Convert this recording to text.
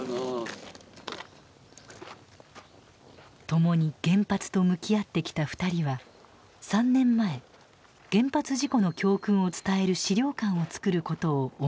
共に原発と向き合ってきた２人は３年前原発事故の教訓を伝える資料館をつくることを思い立ちました。